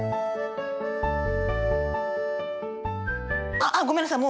あっあっごめんなさい。